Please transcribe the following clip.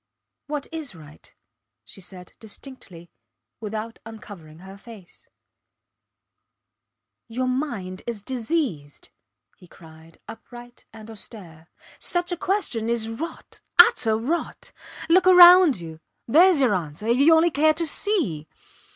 What is right? she said, distinctly, without uncovering her face. Your mind is diseased! he cried, upright and austere. Such a question is rot utter rot. Look round you theres your answer, if you only care to see.